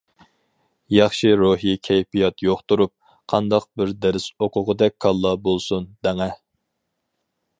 ياخشى روھىي كەيپىيات يوق تۇرۇپ، قانداق بىر دەرس ئوقۇغۇدەك كاللا بولسۇن دەڭە!